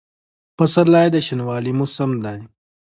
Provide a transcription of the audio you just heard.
پسرلی د شنوالي موسم دی.